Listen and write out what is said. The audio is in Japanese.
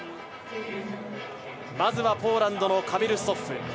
まずはポーランドのカミル・ストッフ。